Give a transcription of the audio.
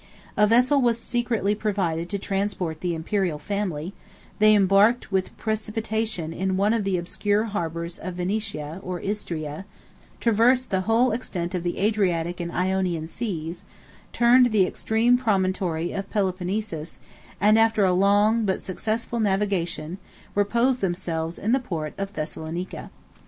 A vessel was secretly provided to transport the Imperial family; they embarked with precipitation in one of the obscure harbors of Venetia, or Istria; traversed the whole extent of the Adriatic and Ionian Seas; turned the extreme promontory of Peloponnesus; and, after a long, but successful navigation, reposed themselves in the port of Thessalonica.